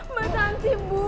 mbak tanti bu